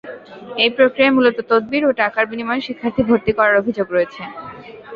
এই প্রক্রিয়ায় মূলত তদবির ও টাকার বিনিময়ে শিক্ষার্থী ভর্তি করার অভিযোগ রয়েছে।